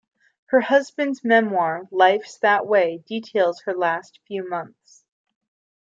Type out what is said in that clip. Her husband's memoir, "Life's That Way", details her last few months.